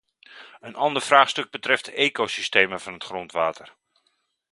Een ander vraagstuk betreft de ecosystemen van het grondwater.